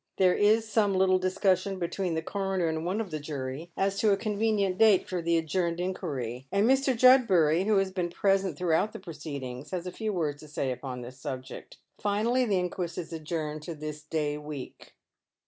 There is some little discussion between the coroner and one of the jury as to a convenient date for the adjourned inquiry, and Mr. Judbury, who has been present throughout the proceedings, has a few words to say upon tWs subject. Finally the inquest is adjourned to this day week.